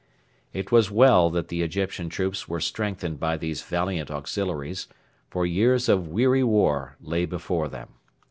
It was well that the Egyptian troops were strengthened by these valiant auxiliaries, for years of weary war lay before them.